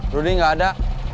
rudy gak ada